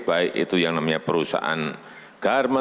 baik itu yang namanya perusahaan garma